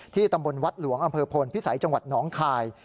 ตำบลวัดหลวงอำเภอพลพิสัยจังหวัดน้องคาย